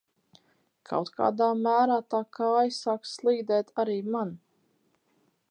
Kaut kādā mērā tā kāja sāk slīdēt arī man...